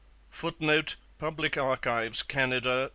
[Footnote: Public Archives, Canada.